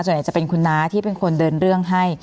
ส่วนใหญ่จะเป็นคุณน้าที่เป็นคนเดินเรื่องให้